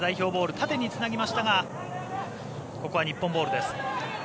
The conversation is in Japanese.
縦につなぎましたがここは日本ボールです。